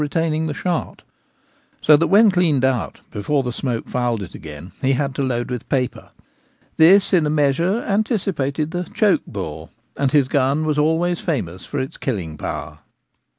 retaining the shot ; so that when cleaned out, before the smoke fouled it again, he had to load with paper. This in a measure anticipated the ' choke bore/ and his gun was always famous for its killing power.